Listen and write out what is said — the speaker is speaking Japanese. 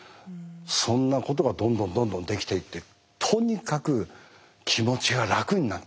そんなことがどんどんどんどんできていってとにかく気持ちが楽になっていったんですよね。